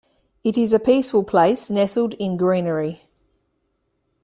It is a peaceful place nestled in greenery.